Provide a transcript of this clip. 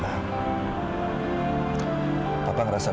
tapi ini tapi itu dilakukan karena kau